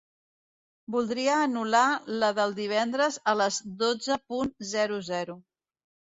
Voldria anul·lar la del divendres a les dotze punt zero zero.